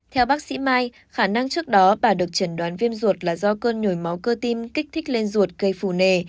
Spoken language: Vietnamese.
theo bác sĩ mai khả năng trước đó bà được chẩn đoán viêm ruột là do cơn nhồi máu cơ tim kích thích lên ruột cây phù nề